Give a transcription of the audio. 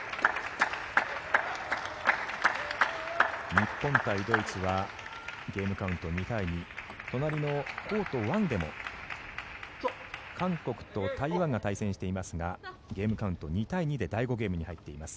日本対ドイツはゲームカウント２対２隣のコート１でも韓国と台湾が対戦していますがゲームカウント２対２で第５ゲームに入っています。